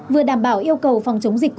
vừa đảm bảo yêu cầu phòng chống dịch